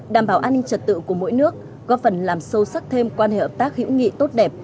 đảm bảo an ninh trật tự của mỗi nước góp phần làm sâu sắc thêm quan hệ hợp tác hữu nghị tốt đẹp